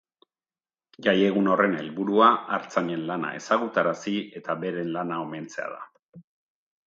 Jaiegun horren helburua artzainen lana ezagutarazi eta beren lana omentzea da.